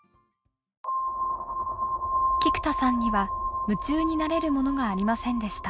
菊田さんには夢中になれるものがありませんでした。